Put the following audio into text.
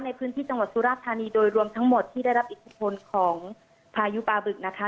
ในพื้นที่จังหวัดสุราธานีโดยรวมทั้งหมดที่ได้รับอิทธิพลของพายุปลาบึกนะคะ